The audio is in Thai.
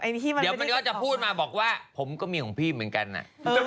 เดี๋ยวมันก็จะพูดมาบอกว่าผมก็มีของพี่เหมือนกัน